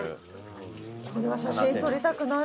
これは写真撮りたくなる。